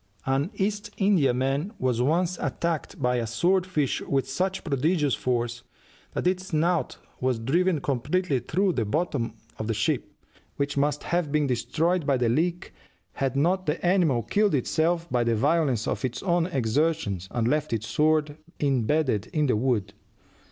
An East Indiaman was once attacked by a sword fish with such prodigious force that its "snout" was driven completely through the bottom of the ship, which must have been destroyed by the leak had not the animal killed itself by the violence of its own exertions, and left its sword imbedded in the wood.